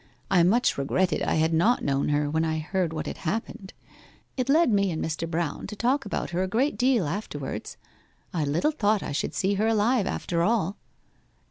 I much regretted I had not known her when I heard what had happened. It led me and Mr. Brown to talk about her a great deal afterwards. I little thought I should see her alive after all.